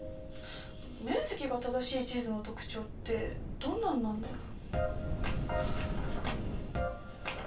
面積が正しい地図の特徴ってどんなんなんだろ。